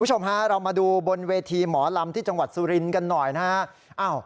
คุณผู้ชมฮะเรามาดูบนเวทีหมอลำที่จังหวัดสุรินทร์กันหน่อยนะฮะ